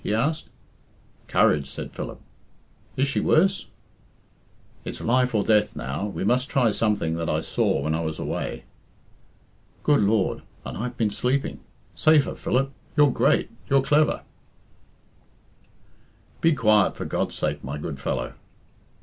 he asked. "Courage," said Philip. "Is she worse?" "It's life or death now. We must try something that I saw when I was away." "Good Lord, and I've been sleeping! Save her, Philip! You're great; your clever " "Be quiet, for God's sake, my good fellow!